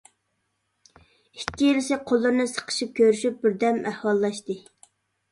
ئىككىلىسى قوللىرىنى سىقىشىپ كۆرۈشۈپ، بىردەم ئەھۋاللاشتى.